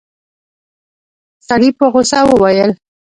سړي په غوسه وويل.